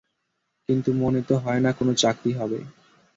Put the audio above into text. কিন্তু মনে তো হয় না কোনো চাকরি হবে।